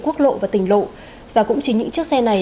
quốc lộ và tỉnh lộ và cũng chính những chiếc xe này